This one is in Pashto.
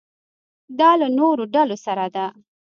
دا له نورو ډلو سره ده.